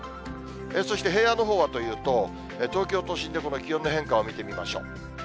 そして、平野のほうはというと、東京都心で、この気温の変化を見てみましょう。